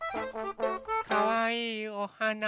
かわいいおはな。